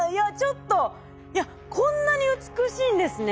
いやこんなに美しいんですね